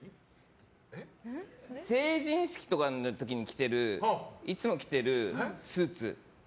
成人式の時とかに着てるいつも着てるスーツ。